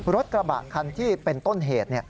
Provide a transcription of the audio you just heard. รถกระบะคันที่เป็นต้นเหตุ